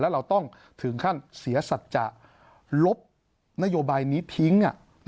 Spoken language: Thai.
แล้วเราต้องถึงขั้นเสียสัจจะลบนโยบายนี้ทิ้ง